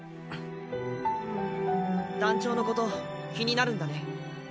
団長のこと気になるんだね。